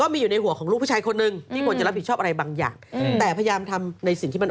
ไปบวชแล้วพร้อมจะเบียดอะไรหรือไม่